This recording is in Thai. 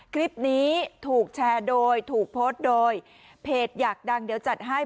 คลิปนี้ถูกแชร์โดยถูกโพสต์โดยเพจอยากดังเดี๋ยวจัดให้